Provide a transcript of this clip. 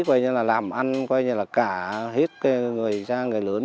coi như là làm ăn coi như là cả hết người ra người lớn